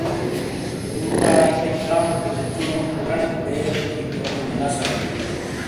دُورائیی ایک گامیکے جہ چُونو اورانیک بیے لو تھی تومی مالہ ساتی ۔